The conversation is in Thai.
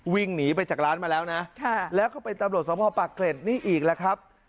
วิ่งหนีไปจากร้านมาแล้วนะแล้วก็เป็นตำรวจสมภาพปากเกร็ดนี่อีกแล้วครับ